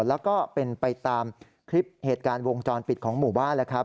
แล้วก็เป็นไปตามคลิปเหตุการณ์วงจรปิดของหมู่บ้านแล้วครับ